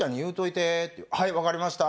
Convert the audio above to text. はい分かりました！